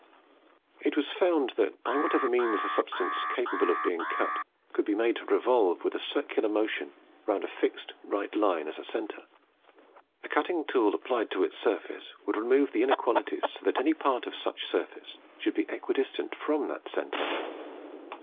It was found that, by whatever means a substance capable of being cut could be made to revolve with a circular motion round a fixed right line as a centre, a cutting tool applied to its surface would remove the inequalities so that any part of such surface should be equidistant from that centre.